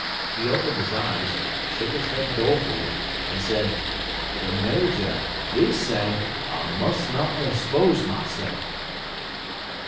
He opened his eyes, shook his head dolefully, and said, "De major, he say, I muss not expose myself."